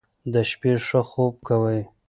د شپې ښه خوب کوئ.